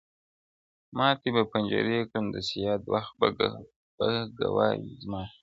ماتي به پنجرې کړم د صیاد وخت به ګواه وي زما-